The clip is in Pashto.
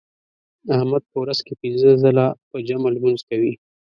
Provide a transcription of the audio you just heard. احمد په ورځ کې پینځه ځله په جمع لمونځ کوي.